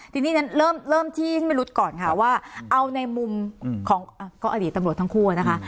ทีนี้เริ่มที่ไม่รู้ก่อนค่ะว่าเอาในมุมของอดีตตำรวจทั้งคู่นะคะ